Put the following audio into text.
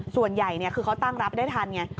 ส่วนใหญ่คือเขาตั้งรับได้ทันไง